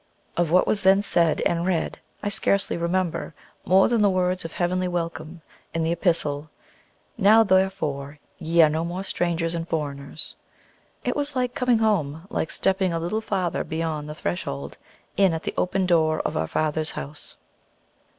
Of what was then said and read I scarcely remember more than the words of heavenly welcome in the Epistle, "Now therefore ye are no more strangers and foreigners." It was like coming home, like stepping a little farther beyond the threshold in at the open door of our Father's house.